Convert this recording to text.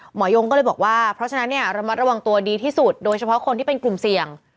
ยงก็เลยบอกว่าเพราะฉะนั้นเนี่ยระมัดระวังตัวดีที่สุดโดยเฉพาะคนที่เป็นกลุ่มเสี่ยง